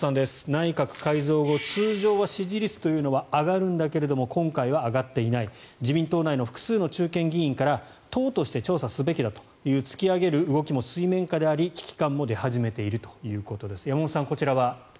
内閣改造後、通常は支持率というのは上がるんだけど今回は上がっていない自民党内の複数の中堅議員から党として調査すべきだという突き上げる動きも水面下であり危機感も出始めているということです。